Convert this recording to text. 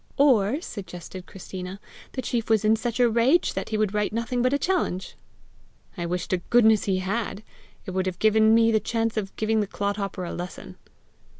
"Or," suggested Christina, "the chief was in such a rage that he would write nothing but a challenge." "I wish to goodness he had! It would have given me the chance of giving the clodhopper a lesson."